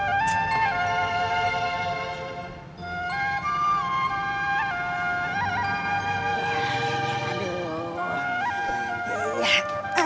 cuman ngerti kan